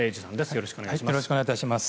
よろしくお願いします。